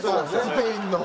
スペインの。